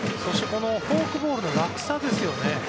このフォークボールの落差ですよね。